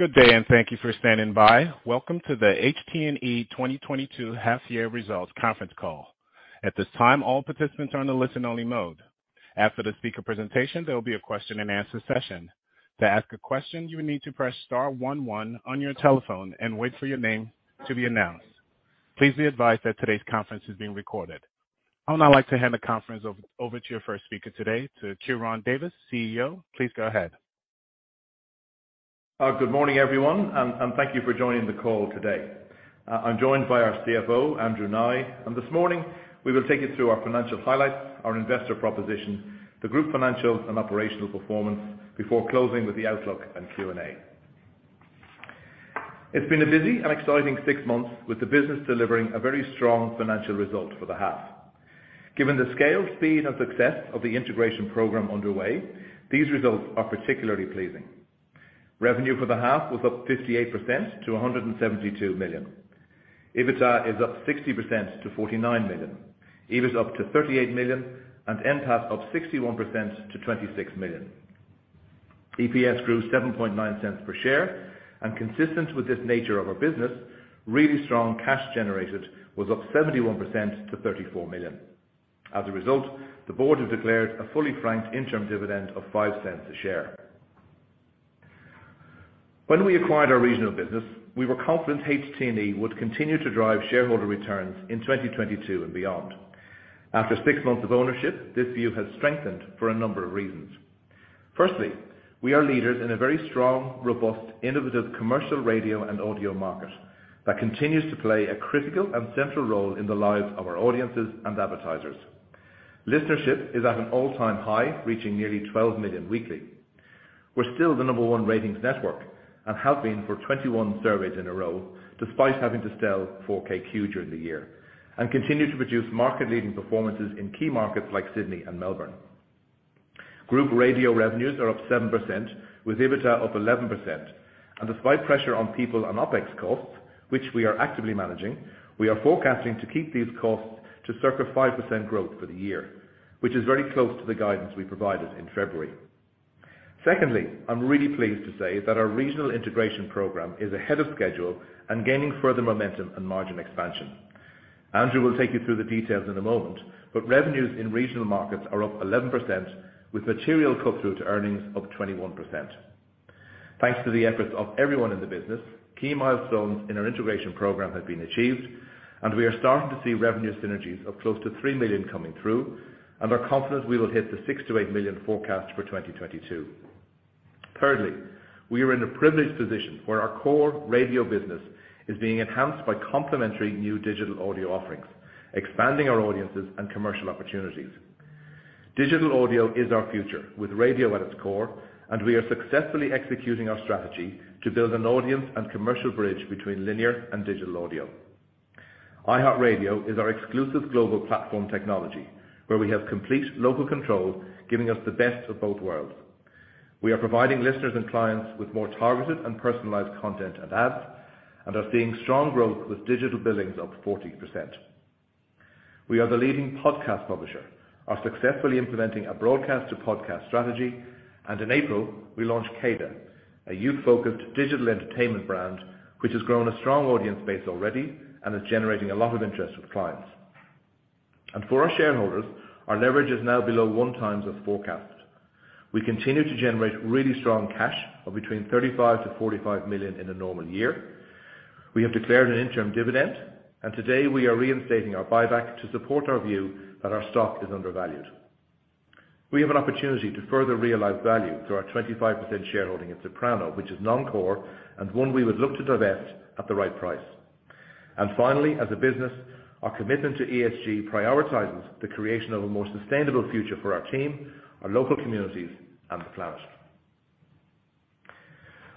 Good day, and thank you for standing by. Welcome to the HT&E 2022 half year results conference call. At this time, all participants are on a listen only mode. After the speaker presentation, there will be a question and answer session. To ask a question, you will need to press star one one on your telephone and wait for your name to be announced. Please be advised that today's conference is being recorded. I would now like to hand the conference over to your first speaker today, to Ciaran Davis, CEO. Please go ahead. Good morning, everyone, and thank you for joining the call today. I'm joined by our CFO, Andrew Nye. This morning we will take you through our financial highlights, our investor proposition, the group financial and operational performance before closing with the outlook and Q&A. It's been a busy and exciting six months with the business delivering a very strong financial result for the half. Given the scale, speed, and success of the integration program underway, these results are particularly pleasing. Revenue for the half was up 58% to 172 million. EBITDA is up 60% to 49 million. EBIT up to 38 million, and NPAT up 61% to 26 million. EPS grew 7.9 cents per share, and consistent with this nature of our business, really strong cash generated was up 71% to 34 million. As a result, the board has declared a fully franked interim dividend of 0.05 per share. When we acquired our regional business, we were confident HT&E would continue to drive shareholder returns in 2022 and beyond. After 6 months of ownership, this view has strengthened for a number of reasons. Firstly, we are leaders in a very strong, robust, innovative commercial radio and audio market that continues to play a critical and central role in the lives of our audiences and advertisers. Listenership is at an all-time high, reaching nearly 12 million weekly. We're still the number one ratings network and have been for 21 surveys in a row, despite having to sell 4KQ during the year, and continue to produce market-leading performances in key markets like Sydney and Melbourne. Group radio revenues are up 7% with EBITDA up 11%. Despite pressure on people and OpEx costs, which we are actively managing, we are forecasting to keep these costs to circa 5% growth for the year, which is very close to the guidance we provided in February. Secondly, I'm really pleased to say that our regional integration program is ahead of schedule and gaining further momentum and margin expansion. Andrew will take you through the details in a moment, but revenues in regional markets are up 11% with material cut-through to earnings up 21%. Thanks to the efforts of everyone in the business, key milestones in our integration program have been achieved, and we are starting to see revenue synergies of close to 3 million coming through, and are confident we will hit the 6 million-8 million forecast for 2022. Thirdly, we are in a privileged position where our core radio business is being enhanced by complementary new digital audio offerings, expanding our audiences and commercial opportunities. Digital audio is our future with radio at its core, and we are successfully executing our strategy to build an audience and commercial bridge between linear and digital audio. iHeartRadio is our exclusive global platform technology, where we have complete local control, giving us the best of both worlds. We are providing listeners and clients with more targeted and personalized content and ads, and are seeing strong growth with digital billings up 14%. We are the leading podcast publisher, are successfully implementing a broadcast to podcast strategy, and in April, we launched CADA, a youth-focused digital entertainment brand, which has grown a strong audience base already and is generating a lot of interest with clients. For our shareholders, our leverage is now below 1x as forecast. We continue to generate really strong cash of between 35 million-45 million in a normal year. We have declared an interim dividend, and today we are reinstating our buyback to support our view that our stock is undervalued. We have an opportunity to further realize value through our 25% shareholding in Soprano, which is non-core and one we would look to divest at the right price. Finally, as a business, our commitment to ESG prioritizes the creation of a more sustainable future for our team, our local communities, and the planet.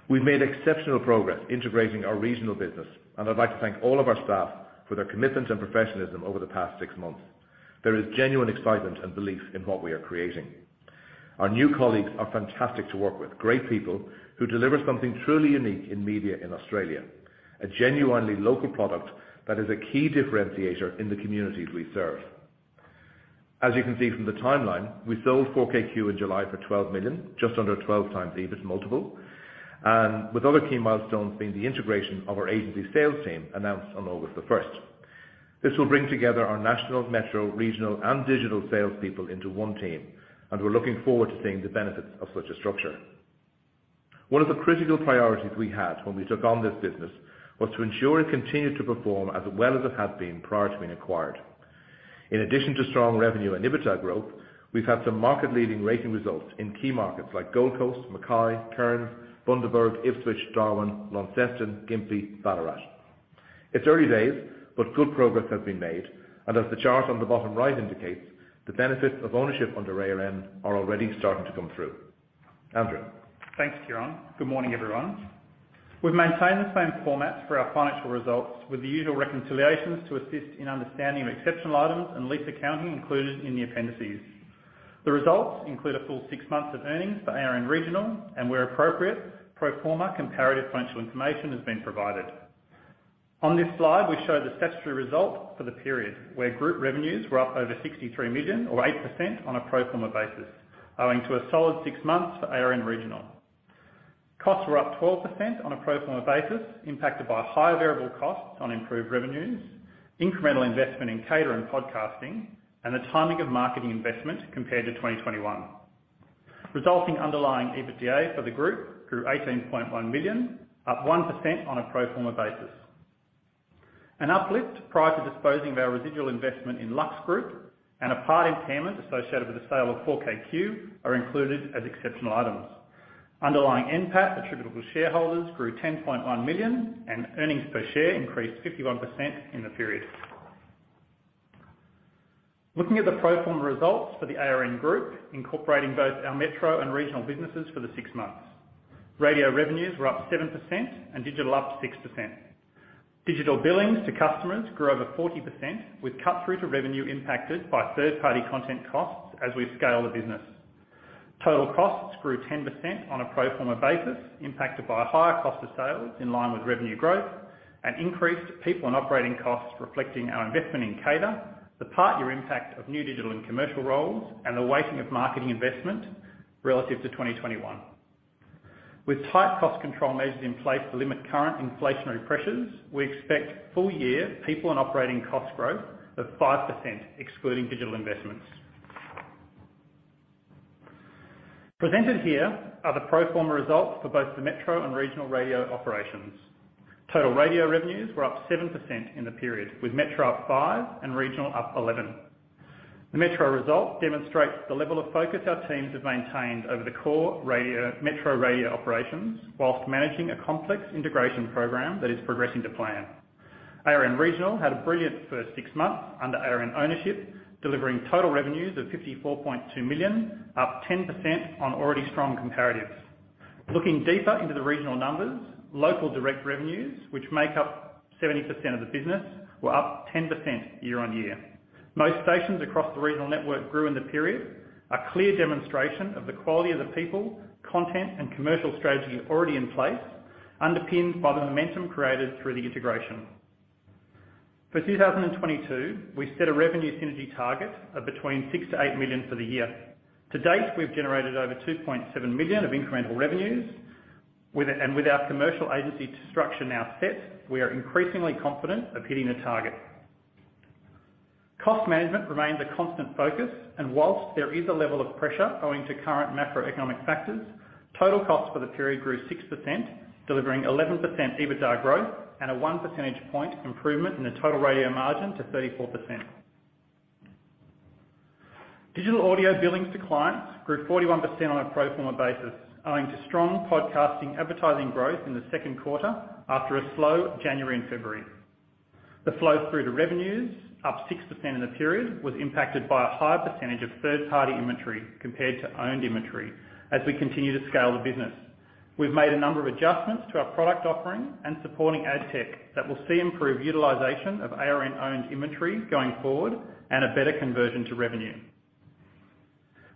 We've made exceptional progress integrating our regional business, and I'd like to thank all of our staff for their commitment and professionalism over the past 6 months. There is genuine excitement and belief in what we are creating. Our new colleagues are fantastic to work with, great people who deliver something truly unique in media in Australia, a genuinely local product that is a key differentiator in the communities we serve. As you can see from the timeline, we sold 4KQ in July for 12 million, just under 12x EBIT multiple, and with other key milestones being the integration of our agency sales team announced on August the first. This will bring together our national, metro, regional, and digital salespeople into one team, and we're looking forward to seeing the benefits of such a structure. One of the critical priorities we had when we took on this business was to ensure it continued to perform as well as it had been prior to being acquired. In addition to strong revenue and EBITDA growth, we've had some market-leading rating results in key markets like Gold Coast, Mackay, Cairns, Bundaberg, Ipswich, Darwin, Launceston, Gympie, Ballarat. It's early days, but good progress has been made, and as the chart on the bottom right indicates, the benefits of ownership under ARN are already starting to come through. Andrew. Thanks, Ciaran. Good morning, everyone. We've maintained the same format for our financial results with the usual reconciliations to assist in understanding of exceptional items and lease accounting included in the appendices. The results include a full six months of earnings for ARN Regional and where appropriate, pro forma comparative financial information has been provided. On this slide, we show the statutory result for the period, where group revenues were up over 63 million or 8% on a pro forma basis, owing to a solid six months for ARN Regional. Costs were up 12% on a pro forma basis, impacted by higher variable costs on improved revenues, incremental investment in CADA and podcasting, and the timing of marketing investment compared to 2021. Resulting underlying EBITDA for the group grew 18.1 million, up 1% on a pro forma basis. An uplift prior to disposing of our residual investment in Lux Group and a part impairment associated with the sale of 4KQ are included as exceptional items. Underlying NPAT attributable to shareholders grew 10.1 million, and earnings per share increased 51% in the period. Looking at the pro forma results for the ARN Group, incorporating both our metro and regional businesses for the six months. Radio revenues were up 7% and digital up 6%. Digital billings to customers grew over 40% with cut-through to revenue impacted by third-party content costs as we scale the business. Total costs grew 10% on a pro forma basis, impacted by higher cost of sales in line with revenue growth and increased people and operating costs reflecting our investment in CADA, the part-year impact of new digital and commercial roles, and the weighting of marketing investment relative to 2021. With tight cost control measures in place to limit current inflationary pressures, we expect full-year people and operating cost growth of 5% excluding digital investments. Presented here are the pro forma results for both the metro and regional radio operations. Total radio revenues were up 7% in the period, with metro up 5% and regional up 11%. The metro results demonstrate the level of focus our teams have maintained over the core radio metro radio operations while managing a complex integration program that is progressing to plan. ARN Regional had a brilliant first six months under ARN ownership, delivering total revenues of 54.2 million, up 10% on already strong comparatives. Looking deeper into the regional numbers, local direct revenues, which make up 70% of the business, were up 10% year-on-year. Most stations across the regional network grew in the period, a clear demonstration of the quality of the people, content, and commercial strategy already in place, underpinned by the momentum created through the integration. For 2022, we set a revenue synergy target of between 6-8 million for the year. To date, we've generated over 2.7 million of incremental revenues. With our commercial agency structure now set, we are increasingly confident of hitting the target. Cost management remains a constant focus, and while there is a level of pressure owing to current macroeconomic factors, total costs for the period grew 6%, delivering 11% EBITDA growth and a one percentage point improvement in the total radio margin to 34%. Digital audio billings to clients grew 41% on a pro forma basis, owing to strong podcasting advertising growth in the second quarter after a slow January and February. The flow through to revenues, up 6% in the period, was impacted by a higher percentage of third-party inventory compared to owned inventory as we continue to scale the business. We've made a number of adjustments to our product offering and supporting ad tech that will see improved utilization of ARN-owned inventory going forward and a better conversion to revenue.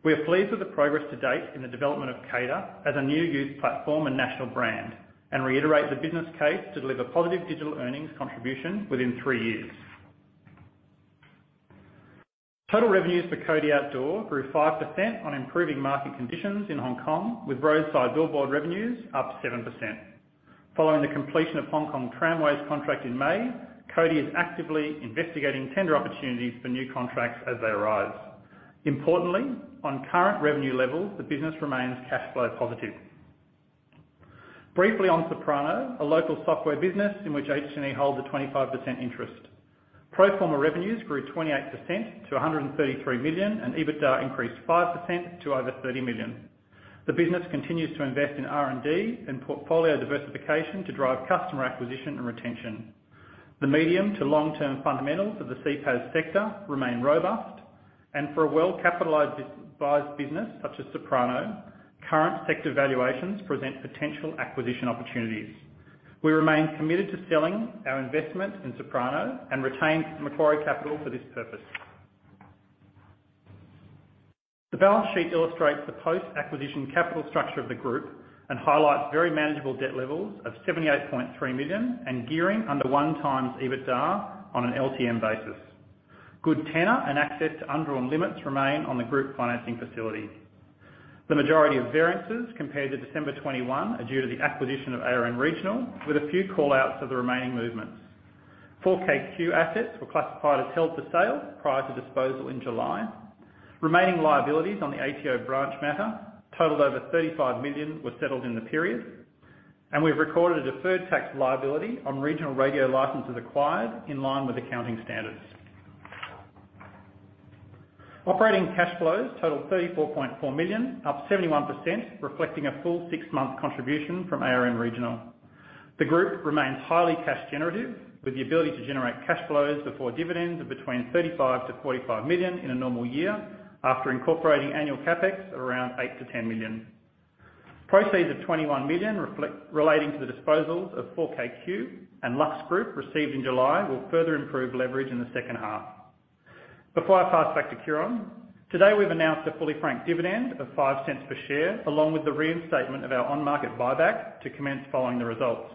We are pleased with the progress to date in the development of CADA as a new user platform and national brand, and reiterate the business case to deliver positive digital earnings contribution within three years. Total revenues for Cody Outdoor grew 5% on improving market conditions in Hong Kong, with roadside billboard revenues up 7%. Following the completion of Hong Kong Tramways contract in May, Cody Outdoor is actively investigating tender opportunities for new contracts as they arise. Importantly, on current revenue levels, the business remains cash flow positive. Briefly on Soprano, a local software business in which HT&E holds a 25% interest. Pro forma revenues grew 28% to 133 million, and EBITDA increased 5% to over 30 million. The business continues to invest in R&D and portfolio diversification to drive customer acquisition and retention. The medium to long-term fundamentals of the CPaaS sector remain robust, and for a well-capitalized B2B business such as Soprano, current sector valuations present potential acquisition opportunities. We remain committed to selling our investment in Soprano and retained Macquarie Capital for this purpose. The balance sheet illustrates the post-acquisition capital structure of the group and highlights very manageable debt levels of 78.3 million and gearing under 1x EBITDA on an LTM basis. Good tenor and access to undrawn limits remain on the group financing facility. The majority of variances compared to December 2021 are due to the acquisition of ARN Regional, with a few call-outs for the remaining movements. 4KQ assets were classified as held for sale prior to disposal in July. Remaining liabilities on the ATO branch matter totaled over 35 million, were settled in the period, and we've recorded a deferred tax liability on regional radio licenses acquired in line with accounting standards. Operating cash flows totaled 34.4 million, up 71%, reflecting a full six-month contribution from ARN Regional. The group remains highly cash generative, with the ability to generate cash flows before dividends of between 35-45 million in a normal year after incorporating annual CapEx of around 8-10 million. Proceeds of 21 million relating to the disposals of 4KQ and Lux Group received in July will further improve leverage in the second half. Before I pass back to Ciaran, today we've announced a fully franked dividend of 0.05 per share, along with the reinstatement of our on-market buyback to commence following the results.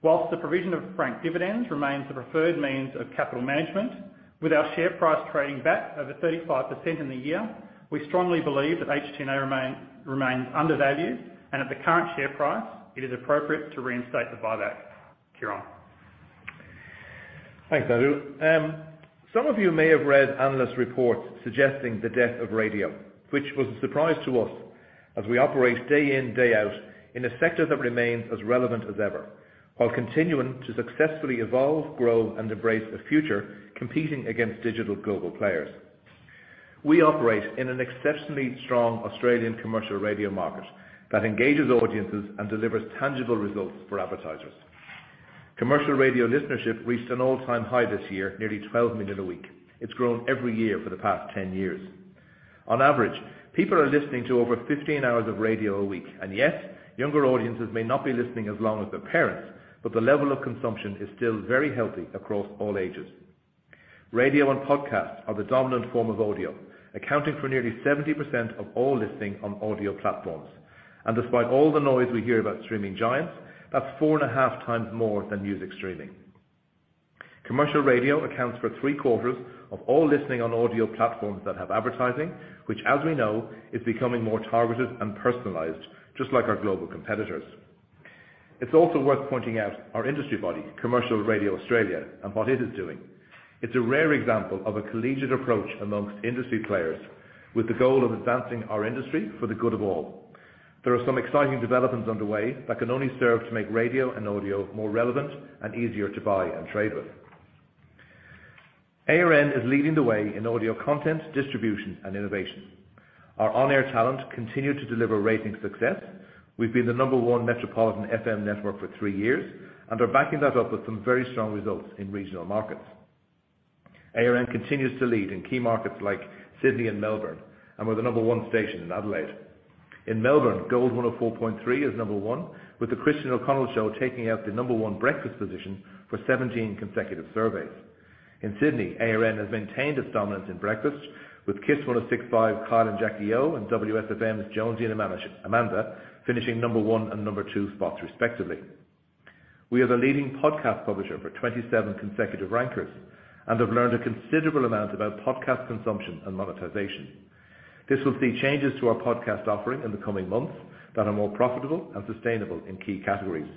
While the provision of franked dividends remains the preferred means of capital management, with our share price trading back over 35% in the year, we strongly believe that HT&E remains undervalued, and at the current share price, it is appropriate to reinstate the buyback. Ciaran. Thanks, Andrew. Some of you may have read analyst reports suggesting the death of radio, which was a surprise to us as we operate day in, day out in a sector that remains as relevant as ever, while continuing to successfully evolve, grow, and embrace the future competing against digital global players. We operate in an exceptionally strong Australian commercial radio market that engages audiences and delivers tangible results for advertisers. Commercial radio listenership reached an all-time high this year, nearly 12 million a week. It's grown every year for the past 10 years. On average, people are listening to over 15 hours of radio a week, and yes, younger audiences may not be listening as long as their parents, but the level of consumption is still very healthy across all ages. Radio and podcast are the dominant form of audio, accounting for nearly 70% of all listening on audio platforms. Despite all the noise we hear about streaming giants, that's 4.5 times more than music streaming. Commercial radio accounts for 75% of all listening on audio platforms that have advertising, which as we know, is becoming more targeted and personalized, just like our global competitors. It's also worth pointing out our industry body, Commercial Radio Australia, and what it is doing. It's a rare example of a collegiate approach amongst industry players with the goal of advancing our industry for the good of all. There are some exciting developments underway that can only serve to make radio and audio more relevant and easier to buy and trade with. ARN is leading the way in audio content, distribution, and innovation. Our on-air talent continue to deliver rating success. We've been the number 1 metropolitan FM network for 3 years, and are backing that up with some very strong results in regional markets. ARN continues to lead in key markets like Sydney and Melbourne, and we're the number 1 station in Adelaide. In Melbourne, Gold 104.3 is number 1, with The Christian O'Connell Show taking out the number 1 breakfast position for 17 consecutive surveys. In Sydney, ARN has maintained its dominance in breakfast with KIIS 106.5, Kyle and Jackie O, and WSFM's Jonesy and Amanda finishing number 1 and number 2 spots respectively. We are the leading podcast publisher for 27 consecutive rankers, and have learned a considerable amount about podcast consumption and monetization. This will see changes to our podcast offering in the coming months that are more profitable and sustainable in key categories.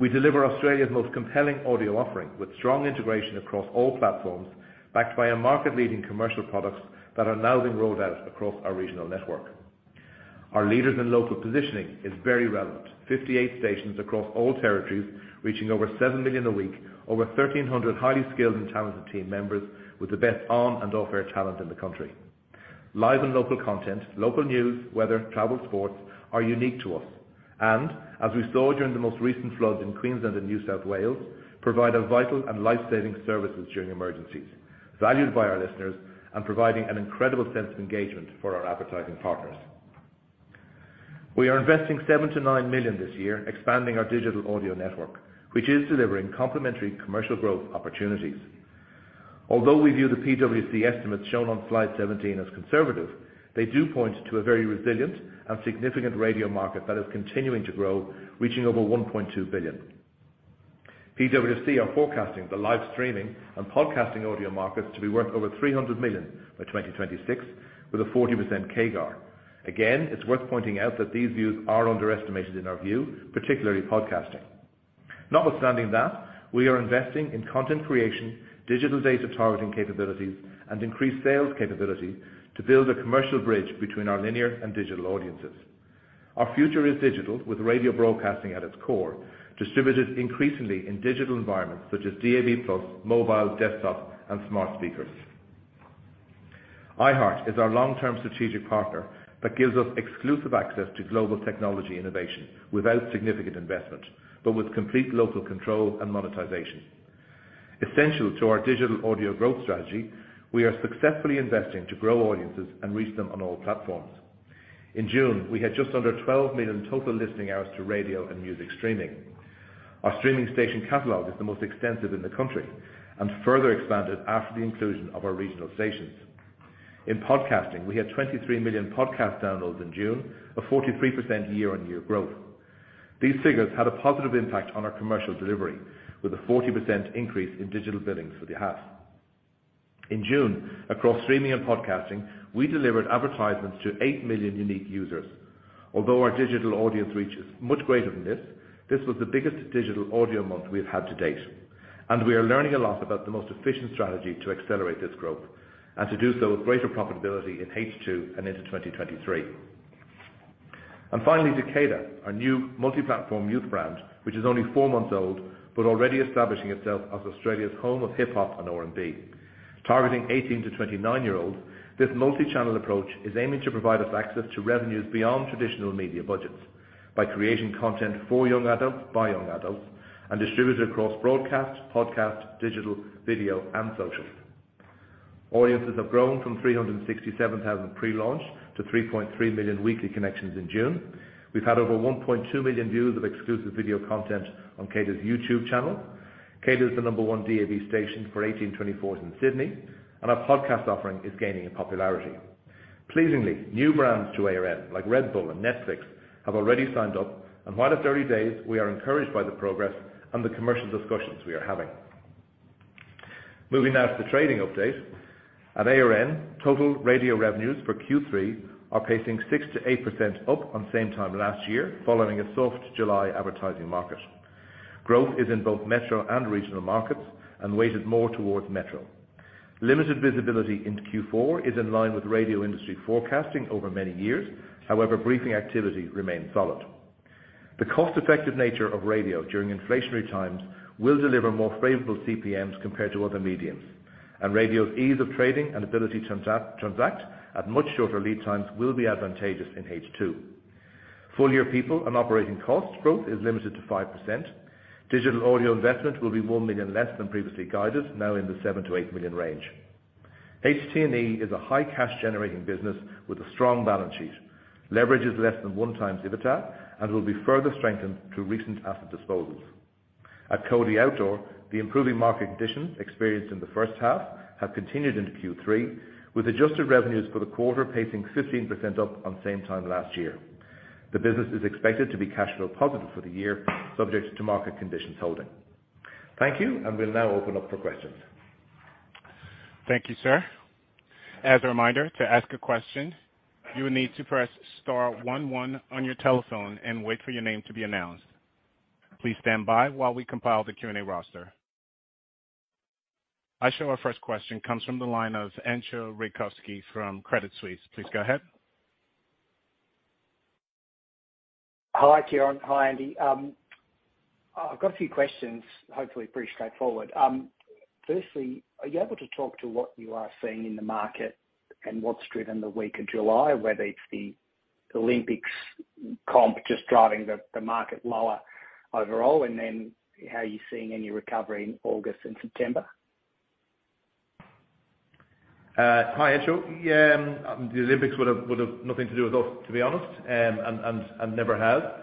We deliver Australia's most compelling audio offering with strong integration across all platforms, backed by our market-leading commercial products that are now being rolled out across our regional network. Our leadership and local positioning is very relevant. 58 stations across all territories, reaching over 7 million a week, over 1,300 highly skilled and talented team members with the best on and off-air talent in the country. Live and local content, local news, weather, travel, sports are unique to us. As we saw during the most recent floods in Queensland and New South Wales, provide a vital and life-saving services during emergencies, valued by our listeners and providing an incredible sense of engagement for our advertising partners. We are investing 7 million-9 million this year expanding our digital audio network, which is delivering complementary commercial growth opportunities. Although we view the PwC estimates shown on slide 17 as conservative, they do point to a very resilient and significant radio market that is continuing to grow, reaching over 1.2 billion. PwC are forecasting the live streaming and podcasting audio markets to be worth over 300 million by 2026, with a 40% CAGR. Again, it's worth pointing out that these views are underestimated in our view, particularly podcasting. Notwithstanding that, we are investing in content creation, digital data targeting capabilities, and increased sales capability to build a commercial bridge between our linear and digital audiences. Our future is digital with radio broadcasting at its core, distributed increasingly in digital environments such as DAB+, mobile, desktop, and smart speakers. iHeart is our long-term strategic partner that gives us exclusive access to global technology innovation without significant investment, but with complete local control and monetization. Essential to our digital audio growth strategy, we are successfully investing to grow audiences and reach them on all platforms. In June, we had just under 12 million total listening hours to radio and music streaming. Our streaming station catalog is the most extensive in the country, and further expanded after the inclusion of our regional stations. In podcasting, we had 23 million podcast downloads in June, a 43% year-on-year growth. These figures had a positive impact on our commercial delivery, with a 40% increase in digital billings for the half. In June, across streaming and podcasting, we delivered advertisements to 8 million unique users. Although our digital audience reach is much greater than this was the biggest digital audio month we've had to date. We are learning a lot about the most efficient strategy to accelerate this growth, and to do so with greater profitability in H2 and into 2023. Finally, CADA, our new multi-platform youth brand, which is only 4 months old, but already establishing itself as Australia's home of Hip Hop and R&B. Targeting 18- to 29-year-olds, this multi-channel approach is aiming to provide us access to revenues beyond traditional media budgets by creating content for young adults by young adults and distributed across broadcast, podcast, digital, video, and social. Audiences have grown from 367,000 pre-launch to 3.3 million weekly connections in June. We've had over 1.2 million views of exclusive video content on CADA's YouTube channel. CADA is the number one DAB station for 18-24s in Sydney, and our podcast offering is gaining in popularity. Pleasingly, new brands to ARN, like Red Bull and Netflix, have already signed up, and while at 30 days, we are encouraged by the progress and the commercial discussions we are having. Moving now to the trading update. At ARN, total radio revenues for Q3 are pacing 6%-8% up on same time last year following a soft July advertising market. Growth is in both metro and regional markets and weighted more towards metro. Limited visibility into Q4 is in line with radio industry forecasting over many years. However, briefing activity remains solid. The cost-effective nature of radio during inflationary times will deliver more favorable CPMs compared to other mediums, and radio's ease of trading and ability to transact at much shorter lead times will be advantageous in H2. Full-year people and operating cost growth is limited to 5%. Digital audio investment will be 1 million less than previously guided, now in the 7 million-8 million range. HT&E is a high cash-generating business with a strong balance sheet. Leverage is less than 1x EBITDA and will be further strengthened through recent asset disposals. At Cody Outdoor, the improving market conditions experienced in the first half have continued into Q3, with adjusted revenues for the quarter pacing 15% up on same time last year. The business is expected to be cash flow positive for the year subject to market conditions holding. Thank you, and we'll now open up for questions. Thank you, sir. As a reminder, to ask a question, you will need to press star one one on your telephone and wait for your name to be announced. Please stand by while we compile the Q&A roster. Our first question comes from the line of Entcho Raykovski from Credit Suisse. Please go ahead. Hi, Ciaran. Hi, Andrew. I've got a few questions, hopefully pretty straightforward. Firstly, are you able to talk to what you are seeing in the market and what's driven the week of July? Whether it's the Olympics comp just driving the market lower overall, and then how are you seeing any recovery in August and September? Hi, Entcho. The Olympics would have nothing to do with us, to be honest, and never have.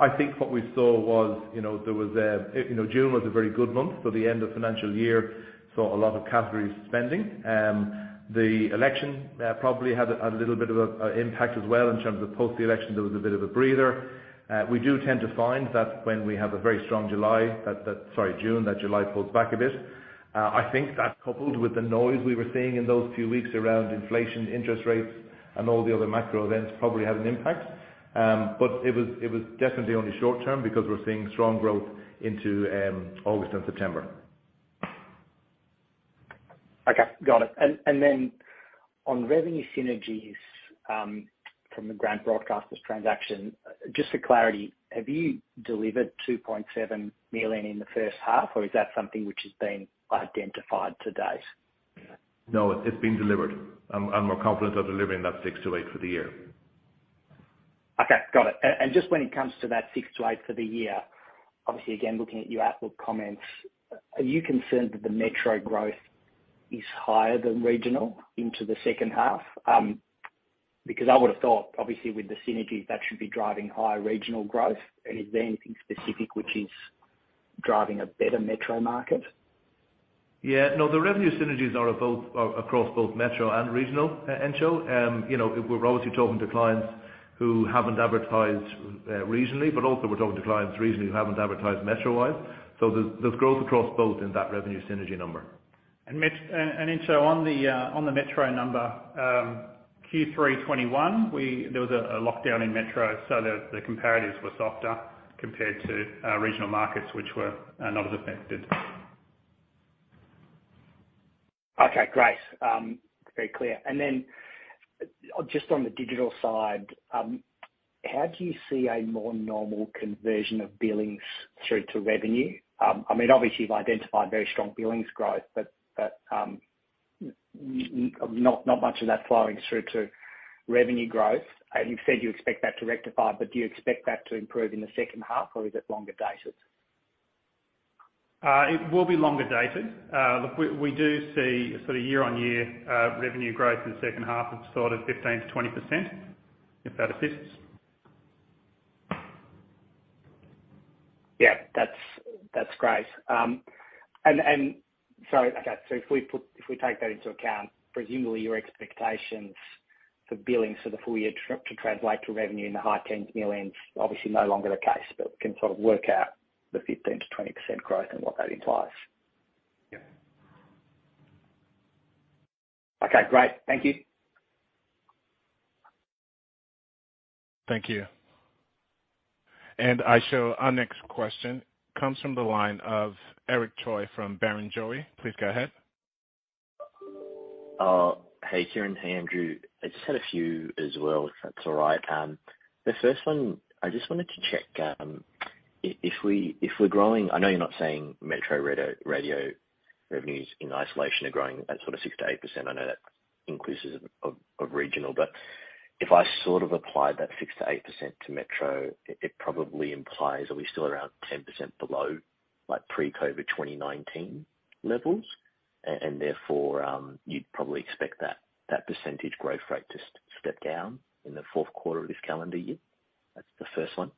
I think what we saw was, you know, there was. You know, June was a very good month, so the end of financial year saw a lot of category spending. The election probably had a little bit of impact as well in terms of post the election. There was a bit of a breather. We do tend to find that when we have a very strong June, that July pulls back a bit. I think that coupled with the noise we were seeing in those few weeks around inflation, interest rates, and all the other macro events probably had an impact. It was definitely only short term because we're seeing strong growth into August and September. Okay. Got it. Then on revenue synergies from the Grant Broadcasters transaction, just for clarity, have you delivered 2.7 million in the first half, or is that something which has been identified to date? No, it's been delivered, and we're confident of delivering that 6-8 for the year. Okay. Got it. Just when it comes to that 6%-8% for the year, obviously again, looking at your outlook comments, are you concerned that the metro growth is higher than regional into the second half? Because I would've thought obviously with the synergies, that should be driving higher regional growth. Is there anything specific which is driving a better metro market? Yeah. No, the revenue synergies are both across both metro and regional, Entcho. You know, we're obviously talking to clients who haven't advertised regionally, but also we're talking to clients regionally who haven't advertised metro-wide. There's growth across both in that revenue synergy number. Entcho, on the metro number, Q3 2021, there was a lockdown in metro, so the comparatives were softer compared to regional markets which were not as affected. Okay. Great. Very clear. Just on the digital side, how do you see a more normal conversion of billings through to revenue? I mean, obviously you've identified very strong billings growth, but not much of that flowing through to revenue growth. You've said you expect that to rectify, but do you expect that to improve in the second half, or is it longer dated? It will be longer dated. Look, we do see sort of year-on-year revenue growth in the second half of sort of 15%-20%, if that assists. Yeah. That's great. If we take that into account, presumably your expectations for billings for the full year to translate to revenue in the high tens of millions AUD, obviously no longer the case, but we can sort of work out the 15%-20% growth and what that implies. Yeah. Okay. Great. Thank you. Thank you. Our next question comes from the line of Eric Choi from Barrenjoey. Please go ahead. Hey, Ciaran. Hey, Andrew. I just had a few as well, if that's all right. The first one, I just wanted to check, if we're growing. I know you're not saying metro radio revenues in isolation are growing at sort of 6%-8%. I know that increases of regional. If I sort of applied that 6%-8% to Metro, it probably implies that we're still around 10% below like pre-COVID 2019 levels. Therefore, you'd probably expect that percentage growth rate to step down in the fourth quarter of this calendar year. That's the first one.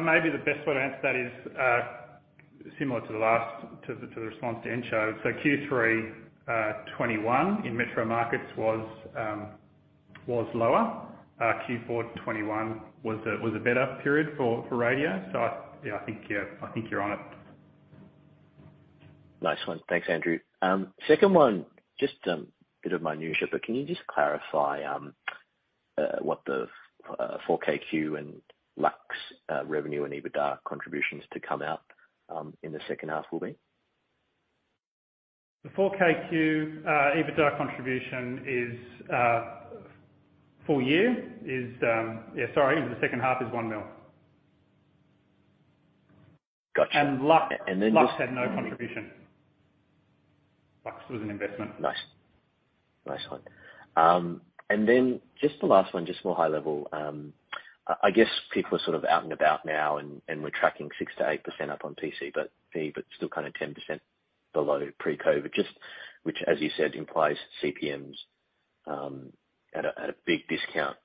Maybe the best way to answer that is similar to the response to Entcho. Q3 2021 in Metro markets was lower. Q4 2021 was a better period for radio. Yeah, I think you're on it. Nice one. Thanks, Andrew. Second one, just a bit of minutiae, but can you just clarify what the 4KQ and Lux revenue and EBITDA contributions to come out in the second half will be? The 4KQ EBITDA contribution, the second half is 1 million. Gotcha. And Lux- And then just- Lux had no contribution. Lux was an investment. Nice. Nice one. Then just the last one, just more high level. I guess people are sort of out and about now and we're tracking 6%-8% up on PC, but still kind of 10% below pre-COVID. Which as you said, implies CPMs at a big discount,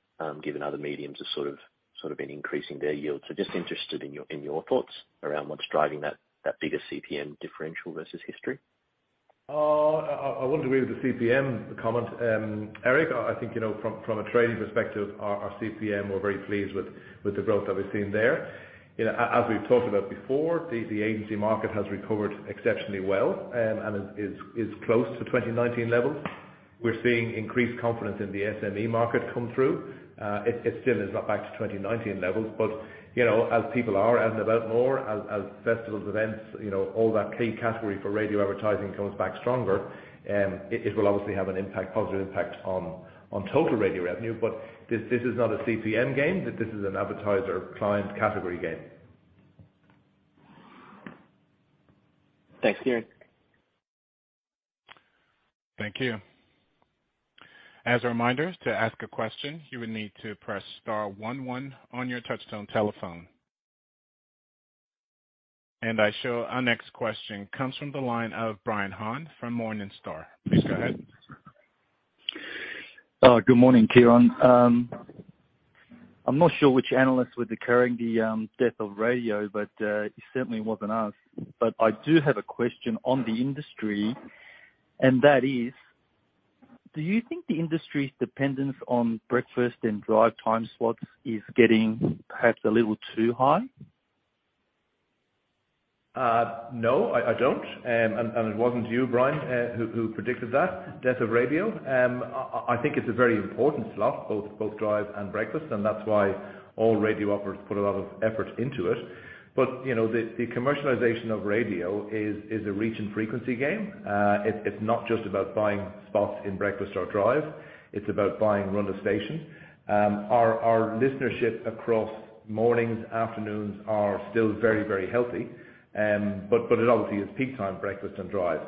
given other mediums have sort of been increasing their yields. Just interested in your thoughts around what's driving that bigger CPM differential versus history. I wouldn't agree with the CPM comment. Eric, I think, you know, from a trading perspective, our CPM, we're very pleased with the growth that we've seen there. You know, as we've talked about before, the agency market has recovered exceptionally well and is close to 2019 levels. We're seeing increased confidence in the SME market come through. It still is not back to 2019 levels, but you know, as people are out and about more, as festivals, events, you know, all that key category for radio advertising comes back stronger, it will obviously have an impact, positive impact on total radio revenue. This is not a CPM game, this is an advertiser client category game. Thanks, Ciaran. Thank you. As a reminder, to ask a question, you would need to press star one one on your touchtone telephone. Our next question comes from the line of Brian Han from Morningstar. Please go ahead. Good morning, Ciaran. I'm not sure which analysts were declaring the death of radio, it certainly wasn't us. I do have a question on the industry, and that is, do you think the industry's dependence on breakfast and drive time slots is getting perhaps a little too high? No, I don't. It wasn't you, Brian, who predicted the death of radio. I think it's a very important slot, both drive and breakfast, and that's why all radio operators put a lot of effort into it. You know, the commercialization of radio is a reach and frequency game. It's not just about buying spots in breakfast or drive. It's about buying run of station. Our listenership across mornings, afternoons are still very healthy. It obviously is peak time, breakfast and drive.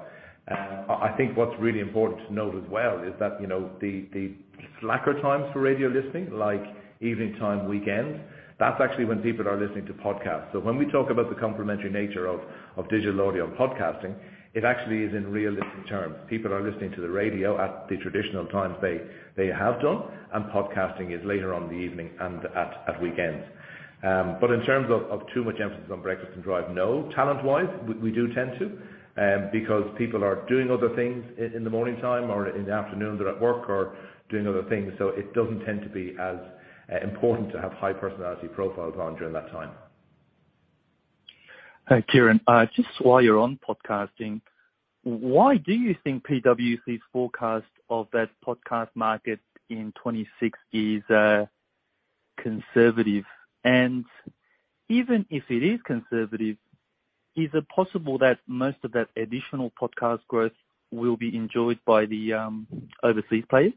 I think what's really important to note as well is that you know, the slack times for radio listening, like evening time, weekend, that's actually when people are listening to podcasts. When we talk about the complementary nature of digital audio and podcasting, it actually is in real listening terms. People are listening to the radio at the traditional times they have done, and podcasting is later on in the evening and weekends. In terms of too much emphasis on breakfast and drive, no. Talent-wise, we do tend to because people are doing other things in the morning time or in the afternoon, they're at work or doing other things. It doesn't tend to be as important to have high personality profiles on during that time. Ciaran, just while you're on podcasting, why do you think PwC's forecast of that podcast market in 2026 is conservative? Even if it is conservative, is it possible that most of that additional podcast growth will be enjoyed by the overseas players?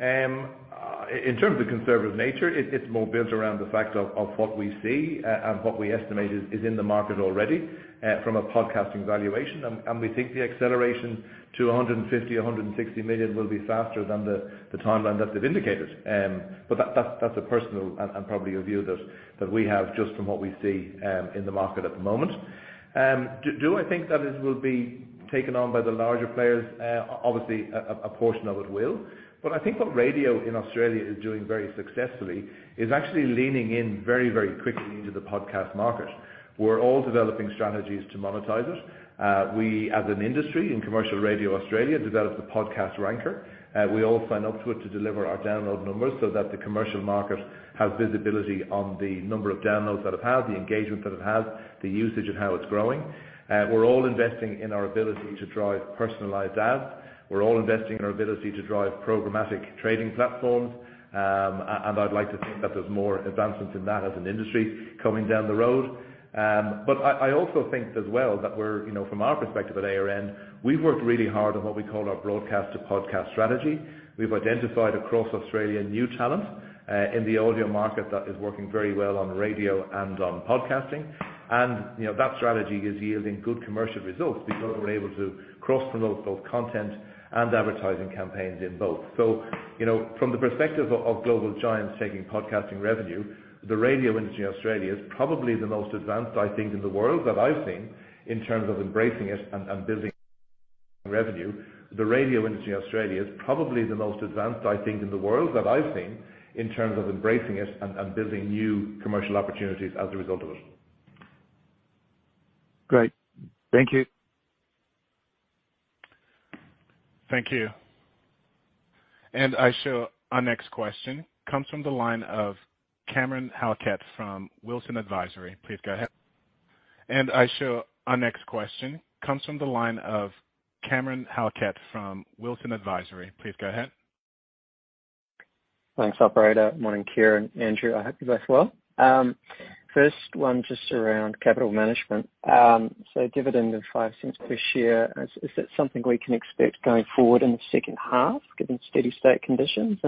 In terms of the conservative nature, it's more built around the fact of what we see and what we estimate is in the market already from a podcasting valuation. We think the acceleration to 150 million-160 million will be faster than the timeline that they've indicated. That's a personal and probably a view that we have just from what we see in the market at the moment. Do I think that it will be taken on by the larger players? Obviously, a portion of it will. I think what radio in Australia is doing very successfully is actually leaning in very quickly into the podcast market. We're all developing strategies to monetize it. We, as an industry in Commercial Radio Australia, developed the podcast ranker. We all sign up to it to deliver our download numbers so that the commercial market has visibility on the number of downloads that it has, the engagement that it has, the usage and how it's growing. We're all investing in our ability to drive personalized ads. We're all investing in our ability to drive programmatic trading platforms. I'd like to think that there's more advancements in that as an industry coming down the road. I also think as well that we're, you know, from our perspective at ARN, we've worked really hard on what we call our broadcast to podcast strategy. We've identified across Australia new talent in the audio market that is working very well on radio and on podcasting. You know, that strategy is yielding good commercial results because we're able to cross-promote both content and advertising campaigns in both. You know, from the perspective of global giants taking podcasting revenue, the radio industry in Australia is probably the most advanced, I think, in the world that I've seen in terms of embracing it and building new commercial opportunities as a result of it. Great. Thank you. Thank you. Our next question comes from the line of Cameron Halkett from Wilsons Advisory. Please go ahead. Thanks, operator. Morning, Ciaran, Andrew. I hope you're both well. First one just around capital management. Dividend of 0.05 per share, is it something we can expect going forward in the second half, given steady state conditions?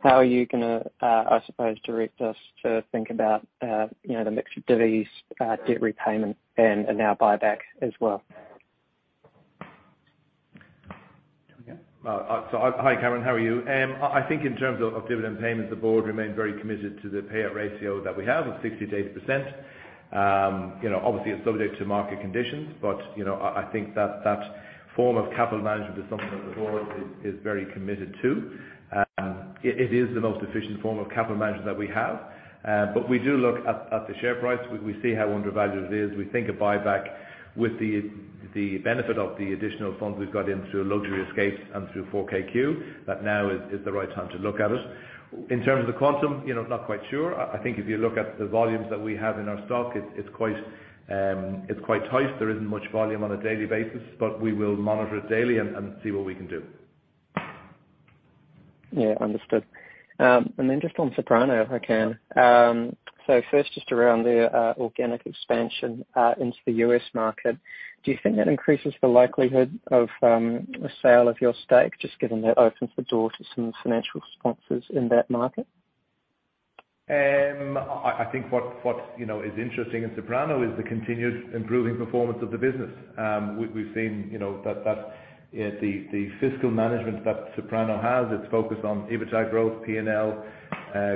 How are you gonna, I suppose, direct us to think about, you know, the mix of divs, debt repayment and now buyback as well? Hi Cameron. How are you? I think in terms of dividend payments, the board remains very committed to the payout ratio that we have of 68%. You know, obviously it's subject to market conditions, but you know, I think that form of capital management is something that the board is very committed to. It is the most efficient form of capital management that we have. We do look at the share price. We see how undervalued it is. We think a buyback with the benefit of the additional funds we've got in through Luxury Escapes and through 4KQ, that now is the right time to look at it. In terms of the quantum, you know, not quite sure. I think if you look at the volumes that we have in our stock, it's quite tight. There isn't much volume on a daily basis, but we will monitor it daily and see what we can do. Yeah. Understood. Just on Soprano, if I can. First just around the organic expansion into the U.S. market. Do you think that increases the likelihood of a sale of your stake, just given that opens the door to some financial sponsors in that market? I think what you know is interesting in Soprano is the continued improving performance of the business. We've seen you know that the fiscal management that Soprano has it's focused on EBITDA growth, P&L.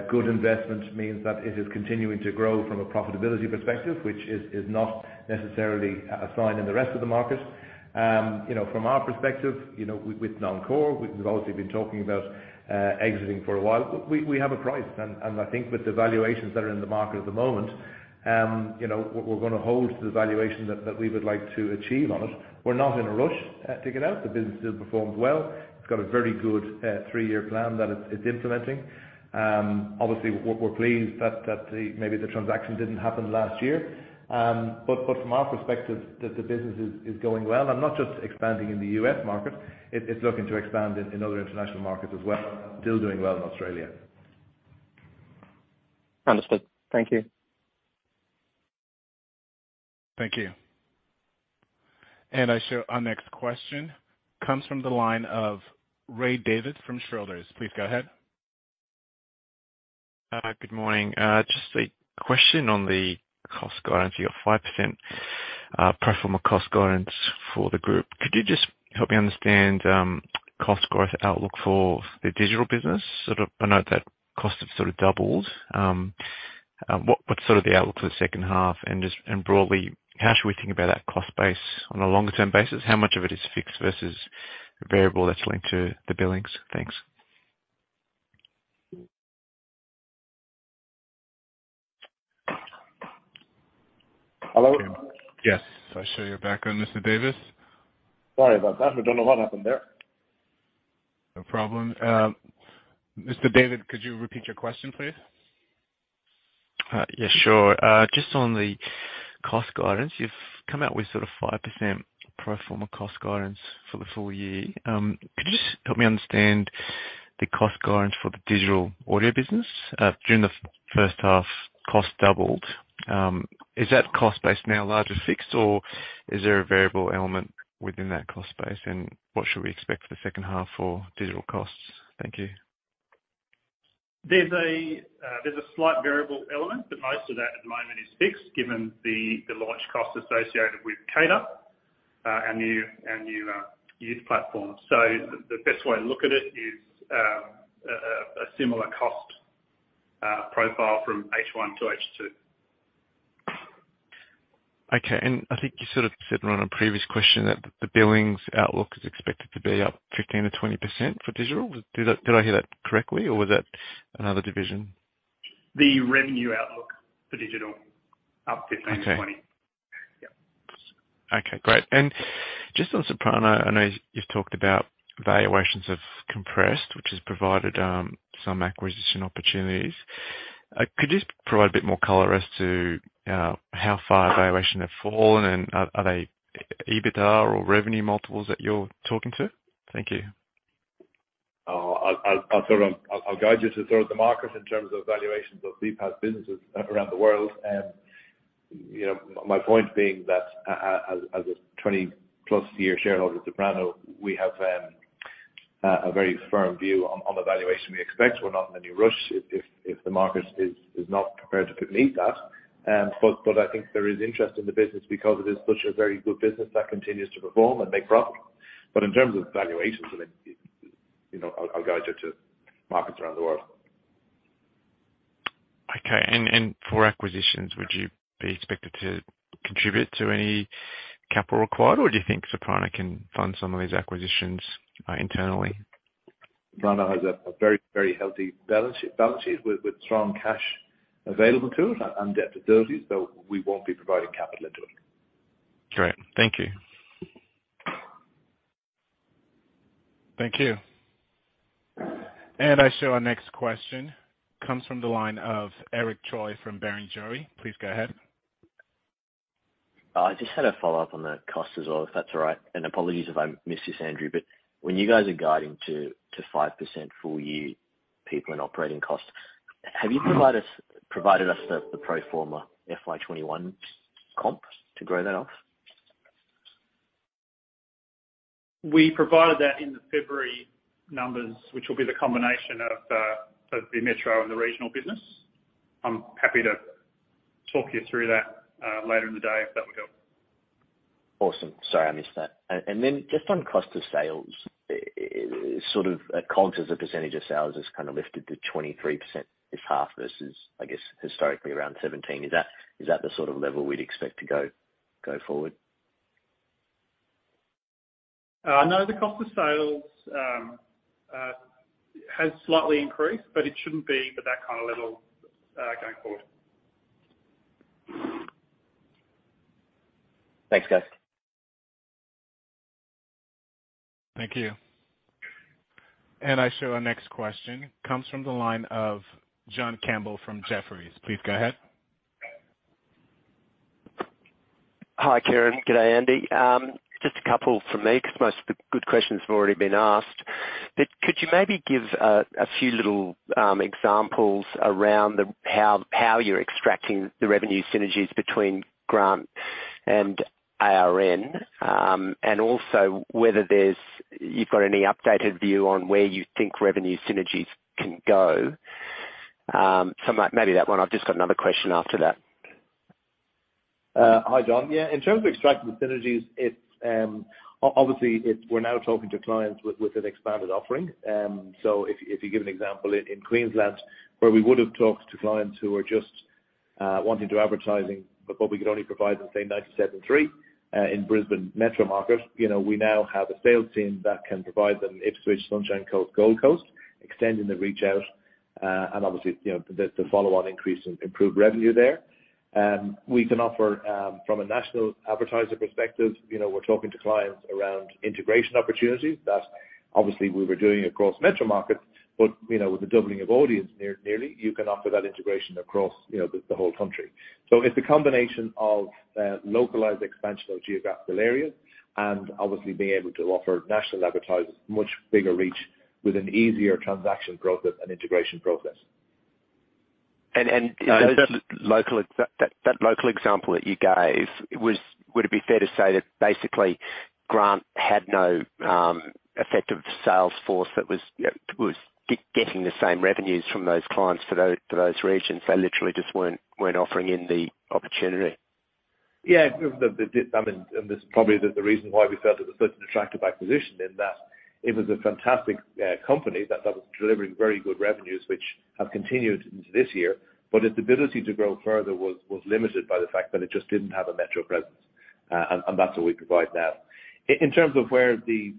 Good investment means that it is continuing to grow from a profitability perspective, which is not necessarily a sign in the rest of the market. You know from our perspective you know with Non-Core we've obviously been talking about exiting for a while. We have a price and I think with the valuations that are in the market at the moment you know we're gonna hold to the valuation that we would like to achieve on it. We're not in a rush to get out. The business still performs well. It's got a very good three-year plan that it's implementing. Obviously we're pleased that maybe the transaction didn't happen last year. From our perspective, the business is going well and not just expanding in the U.S. market. It's looking to expand in other international markets as well, still doing well in Australia. Understood. Thank you. Thank you. Our next question comes from the line of Ray David from Schroders. Please go ahead. Good morning. Just a question on the cost guidance. You got 5% pro forma cost guidance for the group. Could you just help me understand cost growth outlook for the digital business? Sort of denote that costs have sort of doubled. What's sort of the outlook for the second half? And broadly, how should we think about that cost base on a longer term basis? How much of it is fixed versus variable that's linked to the billings? Thanks. Hello? Yes. I see you're back on, Mr. Davis. Sorry about that. I don't know what happened there. No problem. Mr. David, could you repeat your question please? Yeah, sure. Just on the cost guidance, you've come out with sort of 5% pro forma cost guidance for the full year. Could you just help me understand the cost guidance for the digital audio business? During the first half costs doubled. Is that cost base now largely fixed, or is there a variable element within that cost base? What should we expect for the second half for digital costs? Thank you. There's a slight variable element, but most of that at the moment is fixed given the launch cost associated with CADA, our new youth platform. The best way to look at it is a similar cost profile from H1 to H2. Okay. I think you sort of said on a previous question that the billings outlook is expected to be up 15%-20% for digital. Did I hear that correctly, or was that another division? The revenue outlook for digital, up 15%-20%. Okay. Yeah. Okay, great. Just on Soprano, I know you've talked about valuations have compressed, which has provided some acquisition opportunities. Could you just provide a bit more color as to how far valuations have fallen, and are they EBITDA or revenue multiples that you're talking to? Thank you. I'll guide you to sort of the market in terms of valuations of VPaaS businesses around the world. You know, my point being that as a 20+ year shareholder of Soprano, we have a very firm view on the valuation we expect. We're not in any rush if the market is not prepared to meet that. I think there is interest in the business because it is such a very good business that continues to perform and make profit. In terms of valuations, I think, you know, I'll guide you to markets around the world. Okay. For acquisitions, would you be expected to contribute to any capital required, or do you think Soprano can fund some of these acquisitions internally? Soprano has a very healthy balance with strong cash available to it and debt facilities. We won't be providing capital into it. Great. Thank you. Thank you. Our next question comes from the line of Eric Choi from Barrenjoey. Please go ahead. I just had a follow-up on the cost as well, if that's all right. Apologies if I missed this, Ciaran, but when you guys are guiding to 5% full year increase in operating costs, have you provided us the pro forma FY 21 comp to grow that off? We provided that in the February numbers, which will be the combination of the metro and the regional business. I'm happy to talk you through that, later in the day, if that would help. Awesome. Sorry, I missed that. Just on cost of sales, it sort of, COGS as a percentage of sales kinda lifted to 23% this half versus, I guess, historically around 17%. Is that the sort of level we'd expect to go forward? No, the cost of sales has slightly increased, but it shouldn't be at that kind of level going forward. Thanks, guys. Thank you. Our next question comes from the line of John Campbell from Jefferies. Please go ahead. Hi, Ciaran. Good day, Andrew. Just a couple from me, 'cause most of the good questions have already been asked. Could you maybe give a few little examples around how you're extracting the revenue synergies between Grant and ARN, and also whether you've got any updated view on where you think revenue synergies can go? Something like, maybe that one. I've just got another question after that. Hi, John. Yeah. In terms of extracting the synergies, it's obviously we're now talking to clients with an expanded offering. If you give an example in Queensland where we would have talked to clients who are just wanting to do advertising, but what we could only provide them, say 97.3 FM, in Brisbane metro market, you know, we now have a sales team that can provide them Ipswich, Sunshine Coast, Gold Coast, extending the reach out. Obviously, you know, the follow-on increase in improved revenue there. We can offer, from a national advertiser perspective, you know, we're talking to clients around integration opportunities that obviously we were doing across metro markets, but, you know, with the doubling of audience nearly, you can offer that integration across, you know, the whole country. It's a combination of localized expansion of geographical areas and obviously being able to offer national advertisers much bigger reach with an easier transaction process and integration process. And, and- And that- In that local example that you gave, would it be fair to say that basically Grant had no effective sales force that was getting the same revenues from those clients for those regions? They literally just weren't offering him the opportunity. Yeah. I mean, this probably the reason why we felt it was such an attractive acquisition in that it was a fantastic company that was delivering very good revenues, which have continued into this year, but its ability to grow further was limited by the fact that it just didn't have a metro presence. That's what we provide now. In terms of where the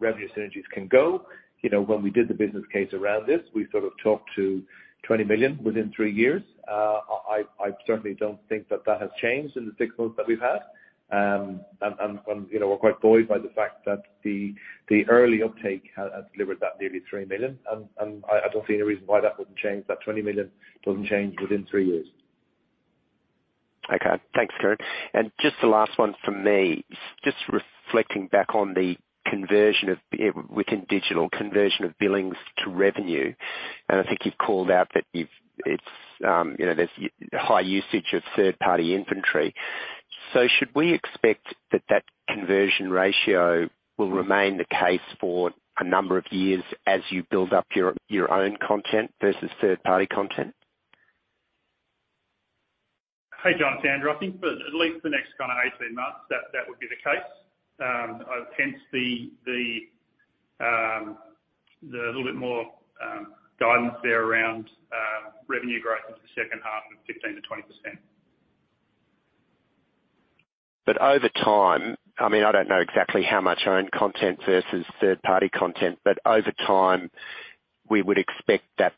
revenue synergies can go, you know, when we did the business case around this, we sort of talked to 20 million within three years. I certainly don't think that has changed in the six months that we've had. You know, we're quite buoyed by the fact that the early uptake has delivered nearly 3 million. I don't see any reason why that wouldn't change. That 20 million doesn't change within 3 years. Okay. Thanks, Kieran. Just the last one from me, just reflecting back on the conversion of, within digital conversion of billings to revenue, and I think you've called out that it's, there's high usage of third-party inventory. Should we expect that conversion ratio will remain the case for a number of years as you build up your own content versus third-party content? Hey, John, it's Andrew. I think for at least the next kind of 18 months, that would be the case. Hence the little bit more guidance there around revenue growth in the second half of 15%-20%. Over time, I mean, I don't know exactly how much owned content versus third party content, but over time, we would expect that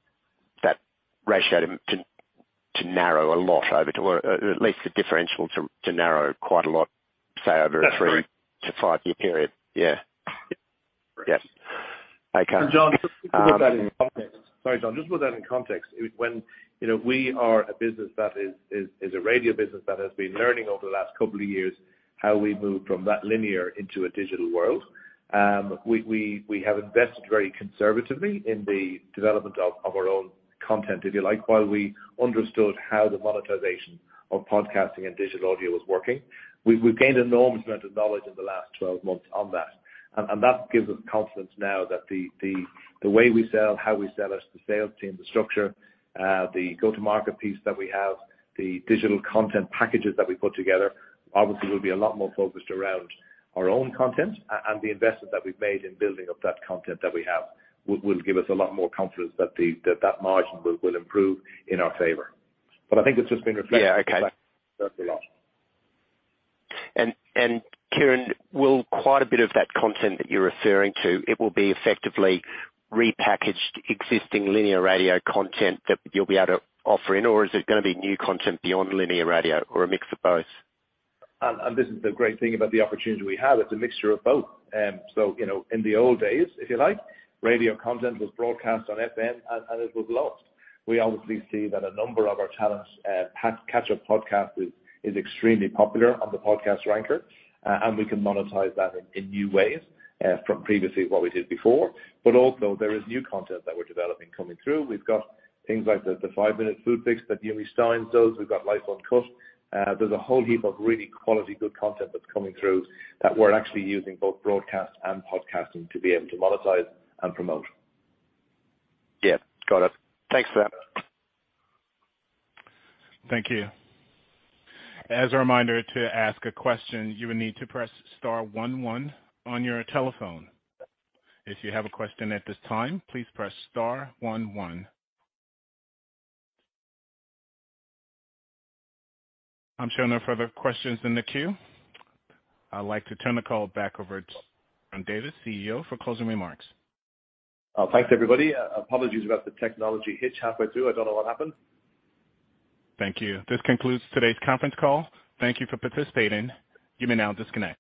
ratio to narrow a lot or at least the differential to narrow quite a lot, say, over a three- That's right. 2-5-year period. Yeah. Great. Yes. Okay. John, just to put that in context. Sorry, John, just put that in context. When you know, we are a business that is a radio business that has been learning over the last couple of years how we move from that linear into a digital world. We have invested very conservatively in the development of our own content, if you like, while we understood how the monetization of podcasting and digital audio was working. We've gained enormous amount of knowledge in the last 12 months on that. that gives us confidence now that the way we sell, how we sell as the sales team, the structure, the go-to-market piece that we have, the digital content packages that we put together, obviously will be a lot more focused around our own content and the investment that we've made in building up that content that we have will give us a lot more confidence that that margin will improve in our favor. But I think it's just been reflected. Yeah. Okay. reflect a lot. Ciaran will quite a bit of that content that you're referring to, it will be effectively repackaged existing linear radio content that you'll be able to offer in, or is it gonna be new content beyond linear radio or a mix of both? This is the great thing about the opportunity we have. It's a mixture of both. You know, in the old days, if you like, radio content was broadcast on FM and it was lost. We obviously see that a number of our talents past catch up podcast is extremely popular on the podcast ranker. We can monetize that in new ways from previously what we did before. Also there is new content that we're developing coming through. We've got things like the Five Minute Food Fix that Yumi Stynes does. We've got Life Uncut. There's a whole heap of really quality good content that's coming through that we're actually using both broadcast and podcasting to be able to monetize and promote. Yeah. Got it. Thanks for that. Thank you. As a reminder, to ask a question, you will need to press star one one on your telephone. If you have a question at this time, please press star one one. I'm showing no further questions in the queue. I'd like to turn the call back over to Ciaran Davis, CEO, for closing remarks. Thanks, everybody. Apologies about the technology hitch halfway through. I don't know what happened. Thank you. This concludes today's conference call. Thank you for participating. You may now disconnect.